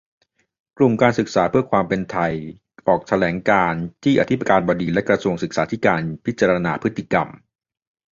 กลุ่มการศึกษาเพื่อความเป็นไท ออกแถลงการณ์ จี้อธิการบดีและกระทรวงศึกษาธิการพิจารณาพฤติกรรม